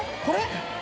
これ？